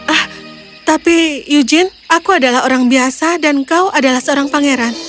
ah tapi eugene aku adalah orang biasa dan kau adalah seorang pangeran